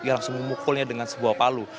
ia langsung memukulnya dengan sebuah palu